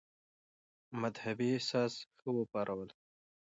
مدهبي احساسات ښه وپارول.